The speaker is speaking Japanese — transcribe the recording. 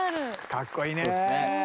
かっこいいね。